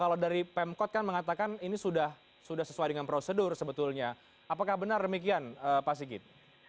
kalau dari pemkot kan mengatakan ini sudah sesuai dengan prosedur sebetulnya apakah benar demikian pak sigit